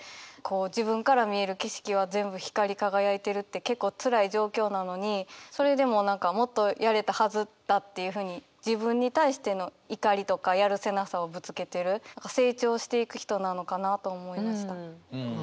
自分から見える景色は全部光り輝いてるって結構つらい状況なのにそれでも何か「もっとやれたはずだ」っていうふうに自分に対しての怒りとかやるせなさをぶつけてる成長していく人なのかなと思いました。